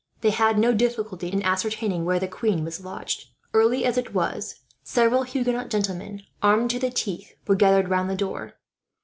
They had no difficulty in ascertaining where the queen was lodged. Early as it was, several Huguenot gentlemen, armed to the teeth, were gathered round the door.